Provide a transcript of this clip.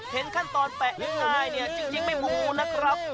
เห็นขั้นตอนแปะง่ายเนี่ยจริงไม่มูนะครับ